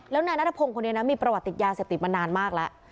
แล้วนายนัทพงศ์คนนี้นะมีประวัติติดยาเสพติดมานานมากแล้ว